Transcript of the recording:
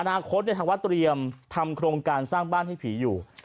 นาคตทางวัดเตรียมทำโครงการสร้างบ้านให้ผีอยู่